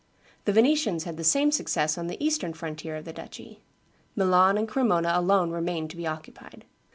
The Venetians had the same success on the eastern frontier of the duchy. Milan and Cremona alone remained to be occupied.